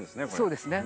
そうですね。